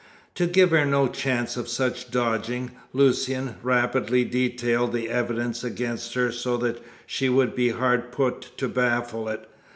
To give her no chance of such dodging, Lucian rapidly detailed the evidence against her so that she would be hard put to baffle it.